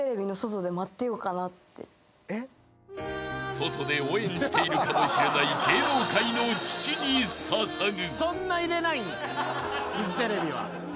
［外で応援しているかもしれない芸能界の父に捧ぐ］